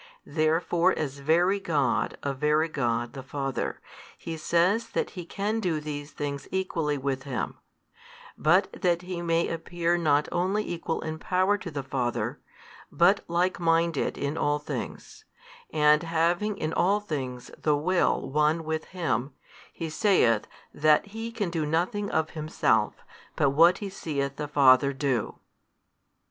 Therefore as Very God of Very God the Father, He says that He can do these things equally with Him; but that He may appear not only Equal in Power to the Father, but likeminded in all things, and having in all things the Will One with Him, He saith that He can do nothing of Himself, but what He seeth the Father do.